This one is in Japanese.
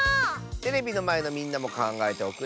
テレビのまえのみんなもかんがえておくれ。